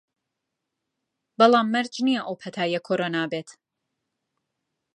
بەڵام مەرج نییە ئەو پەتایە کۆرۆنا بێت